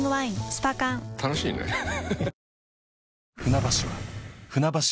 スパ缶楽しいねハハハ